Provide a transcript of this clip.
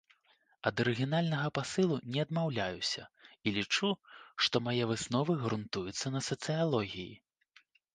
Ад арыгінальнага пасылу не адмаўляюся і лічу, што мае высновы грунтуюцца на сацыялогіі.